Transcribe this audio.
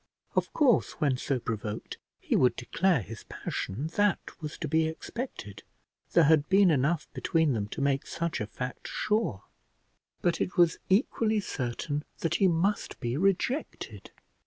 Of course, when so provoked he would declare his passion; that was to be expected; there had been enough between them to make such a fact sure; but it was equally certain that he must be rejected.